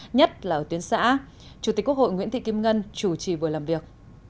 nhất là ở tuyến xã chủ tịch quốc hội nguyễn thị kim ngân chủ trì buổi làm việc